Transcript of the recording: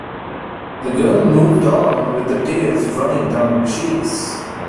The girl moved on with the tears running down her cheeks.